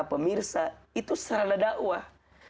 pemirsa itu sarana dakwahnya